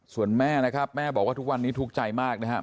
ส่วนแม่นะครับแม่บอกว่าทุกวันนี้ทุกข์ใจมากนะครับ